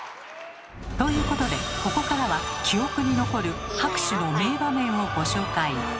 ということでここからは記憶に残る拍手の名場面をご紹介。